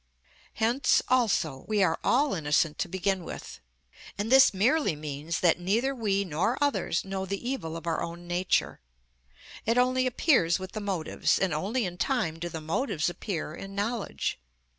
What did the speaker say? Hence, also, we are all innocent to begin with, and this merely means that neither we nor others know the evil of our own nature; it only appears with the motives, and only in time do the motives appear in knowledge.